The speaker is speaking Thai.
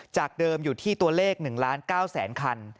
จากเดิมอยู่ที่ตัวเลข๑๙๐๐๐๐๐คัน